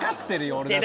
俺だって。